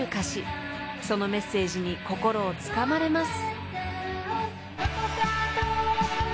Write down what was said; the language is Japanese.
［そのメッセージに心をつかまれます］